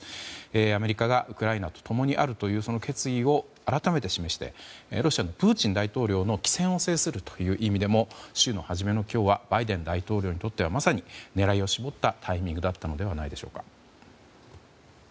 アメリカがウクライナと共にあるという決意を改めて示してロシアのプーチン大統領の機先を制するという意味でも週の初めの今日はバイデン大統領にとってはまさに狙いを絞ったタイミングだったのではないでしょうか。